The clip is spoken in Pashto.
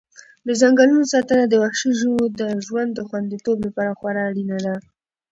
د ځنګلونو ساتنه د وحشي ژویو د ژوند د خوندیتوب لپاره خورا اړینه ده.